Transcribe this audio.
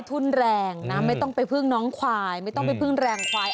ทุนแรงนะไม่ต้องไปพึ่งน้องควายไม่ต้องไปพึ่งแรงควาย